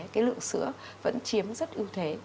cái lượng sữa vẫn chiếm rất ưu thế